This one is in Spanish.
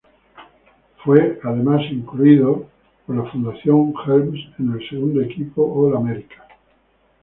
En fue además incluido por la Helms Foundation en el segundo equipo All-America.